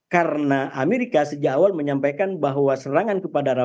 karena amerika sejak awal menyampaikan bahwa serangan ke rafah itu tidak akan terjadi